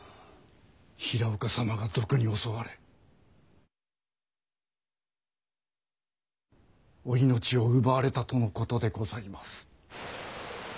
平岡様が賊に襲われお命を奪われたとのことでございます。